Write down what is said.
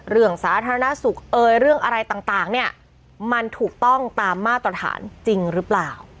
สาธารณสุขเอ่ยเรื่องอะไรต่างเนี่ยมันถูกต้องตามมาตรฐานจริงหรือเปล่า